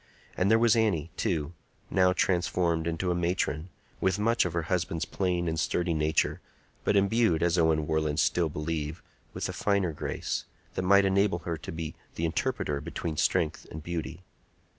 And there was Annie, too, now transformed into a matron, with much of her husband's plain and sturdy nature, but imbued, as Owen Warland still believed, with a finer grace, that might enable her to be the interpreter between strength and beauty.